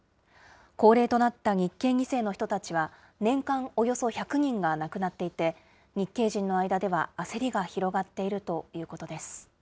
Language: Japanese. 高齢となった日系２世の人たちは、年間およそ１００人が亡くなっていて、日系人の間では焦りが広がっているということです。